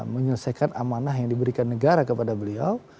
menyelesaikan amanah yang diberikan negara kepada beliau